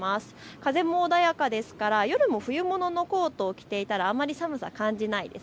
風も穏やかですから夜も冬物のコートを着ていたらあまり寒さ感じないです。